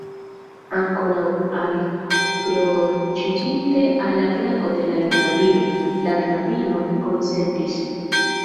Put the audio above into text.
Ankoraŭ alkroĉiĝinte al la brako de la juna viro, la knabino konsentis: